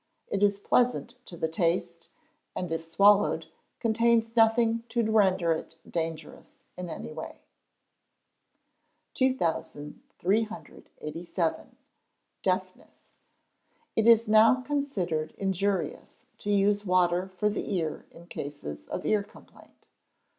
It is pleasant to the taste, and if swallowed, contains nothing to render it dangerous in any way. 2387. Deafness. It is now considered injurious to use water for the ear in cases of ear complaint.